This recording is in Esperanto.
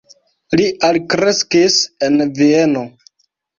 Li alkreskis en Vieno.